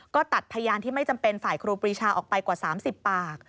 ก็ตัดพยานที่ไม่จำเป็นฝ่ายครูปรีชาออกไปกว่า๓๐ปาก